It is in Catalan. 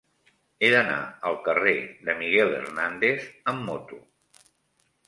He d'anar al carrer de Miguel Hernández amb moto.